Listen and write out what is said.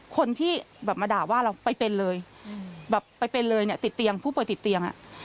คนที่แบบมาด่าว่าเราไปเป็นเลยแบบไปเป็นเลยเนี่ยติดเตียงผู้ป่วยติดเตียง